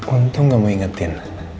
untung gak mau ingetin